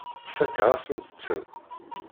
Fakeɣ-asent-ten.